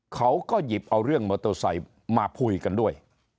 เขาก็หยิบเอาเรื่องมอเตอร์ไซค์มาคุยกันด้วย